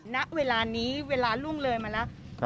ณเวลานี้เวลาล่วงเลยมาแล้ว